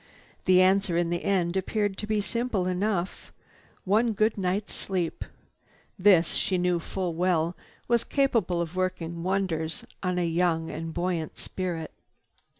The answer in the end appeared simple enough, "One good night's sleep." This, she knew full well, was capable of working wonders on a young and buoyant spirit.